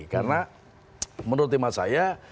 karena menurut tema saya